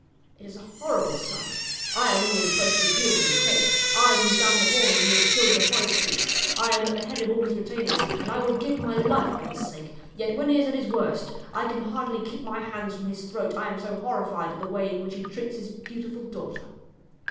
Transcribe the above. It is a horrible sight. I am always close at his heels in the chase, I who sound the horn when he has killed the forest beasts; I am at the head of all his retainers, and I would give my life for his sake; yet when he is at his worst I can hardly keep off my hands from his throat, I am so horrified at the way in which he treats his beautiful daughter."